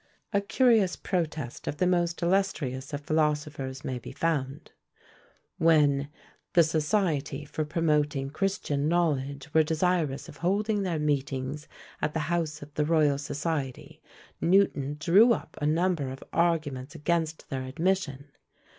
A curious protest of the most illustrious of philosophers may be found: when "the Society for promoting Christian Knowledge were desirous of holding their meetings at the house of the Royal Society, Newton drew up a number of arguments against their admission.